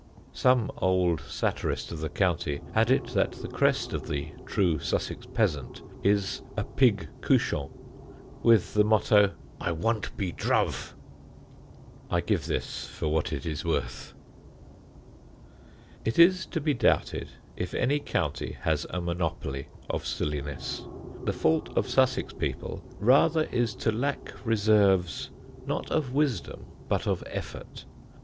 (Some old satirist of the county had it that the crest of the true Sussex peasant is a pig couchant, with the motto "I wunt be druv." I give this for what it is worth.) [Sidenote: SUSSEX RESERVES] It is to be doubted if any county has a monopoly of silliness. The fault of Sussex people rather is to lack reserves, not of wisdom but of effort.